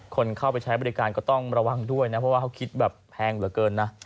คนเข้าไปใช้บริการก็ต้องระวังด้วยนะเพราะว่าเขาคิดแบบแพงเหลือเกินนะ